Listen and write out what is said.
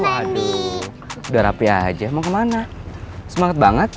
waduh udah rapih aja mau kemana semangat banget